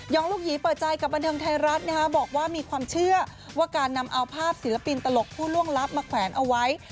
ลูกหยีเปิดใจกับบันเทิงไทยรัฐบอกว่ามีความเชื่อว่าการนำเอาภาพศิลปินตลกผู้ล่วงลับมาแขวนเอาไว้